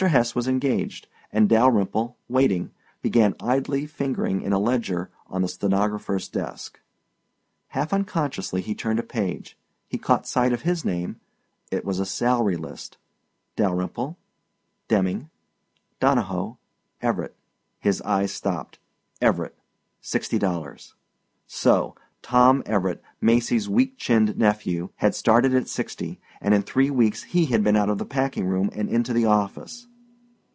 Hesse was engaged and Dalyrimple, waiting, began idly fingering in a ledger on the stenographer's desk. Half unconsciously he turned a page he caught sight of his name it was a salary list: Dalyrimple Demming Donahoe Everett His eyes stopped Everett.........................$60 So Tom Everett, Macy's weak chinned nephew, had started at sixty and in three weeks he had been out of the packing room and into the office.